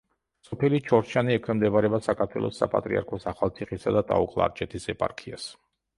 სოფელი ჩორჩანი ექვემდებარება საქართველოს საპატრიარქოს ახალციხისა და ტაო-კლარჯეთის ეპარქიას.